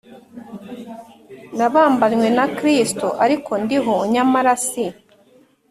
Nabambanywe na Kristo ariko ndiho nyamara si